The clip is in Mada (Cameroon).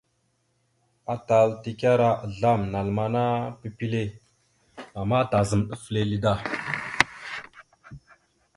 Atal tekara azlam (naləmana) pipile ama tazam ɗaf lele da.